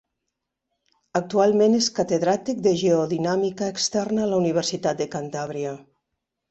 Actualment és catedràtic de geodinàmica externa a la Universitat de Cantàbria.